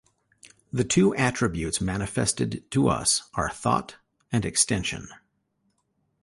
The two attributes manifested to us are thought and extension.